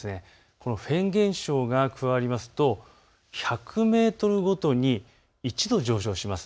このフェーン現象が加わると１００メートルごとに１度上昇します。